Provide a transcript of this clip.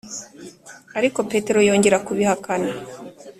Ariko Petero yongera kubihakana